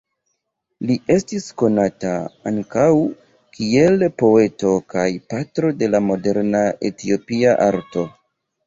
Li estis konata ankaŭ kiel poeto kaj patro de la moderna Etiopia arto.